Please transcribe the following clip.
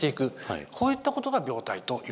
こういったことが病態といわれています。